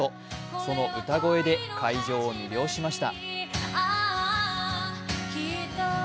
その歌声で会場を魅了しました。